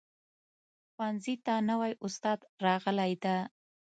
ښوونځي ته نوي استاد راغلی ده